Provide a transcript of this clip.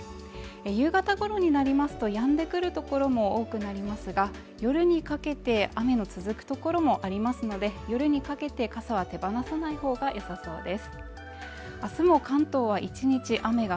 夕方頃になりますと止んでくるところも多くなりますが、夜にかけて雨の続くところもありますので、夜にかけて傘は手放さない方がよさそうです。